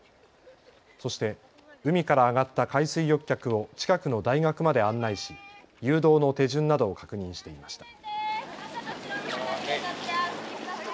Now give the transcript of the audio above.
そして海から上がった海水浴客を近くの大学まで案内し誘導の手順などを確認していました。